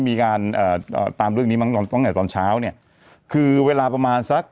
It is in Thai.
มีการเอ่อตามเรื่องนี้มาตอนตั้งแต่ตอนเช้าเนี่ยคือเวลาประมาณสัก